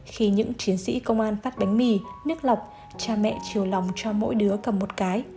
khi những chiến sĩ công an phát bánh mì nước lọc cha mẹ chiều lòng cho mỗi đứa cầm một cái